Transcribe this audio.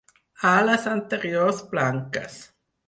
Ales anteriors blanques.